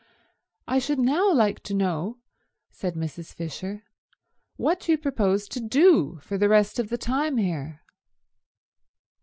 "I would now like to know," said Mrs. Fisher, "what you propose to do for the rest of the time here."